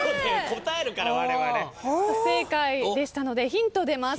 不正解でしたのでヒント出ます。